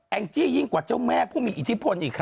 งจี้ยิ่งกว่าเจ้าแม่ผู้มีอิทธิพลอีกค่ะ